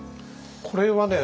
これはね